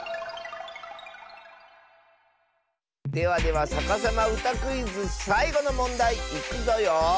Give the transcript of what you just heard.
ではでは「さかさまうたクイズ」さいごのもんだいいくぞよ。